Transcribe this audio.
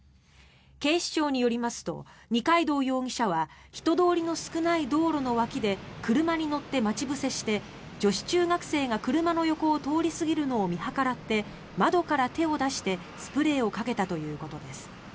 警視庁によりますと二階堂容疑者は人通りの少ない道路の脇で車に乗って待ち伏せして女子中学生が車の横を通り過ぎるのを見計らって窓から手を出してスプレーをかけたということです。